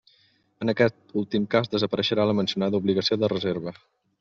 En aquest últim cas desapareixerà la mencionada obligació de reserva.